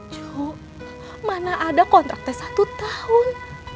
yuhu mana ada kontraknya satu tahun